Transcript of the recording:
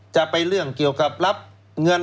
จะไปเรื่องเกี่ยวกับรับเงิน